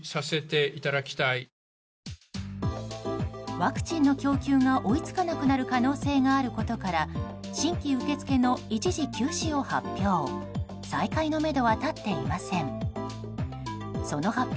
ワクチンの供給が追い付かなくなる可能性があることから新規受け付けの一時休止を発表。